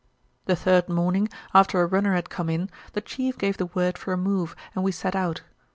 "The third morning, after a runner had come in, the chief gave the word for a move and we set out.